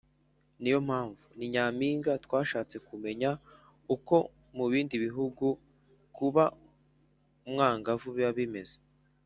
ni yo mpamvu “ni nyampinga” twashatse kumenya uko mu bindi bihugu kuba umwangavu biba bimeze